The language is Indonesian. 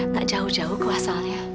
tak jauh jauh ke asalnya